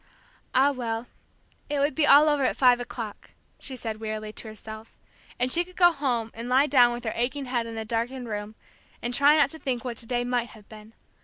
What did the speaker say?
Ah, well, it would be all over at five o'clock, she said wearily to herself, and she could go home and lie down with her aching head in a darkened room, and try not to think what to day might have been.